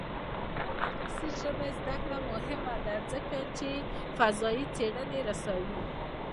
د انګلیسي ژبې زده کړه مهمه ده ځکه چې فضايي څېړنې رسوي.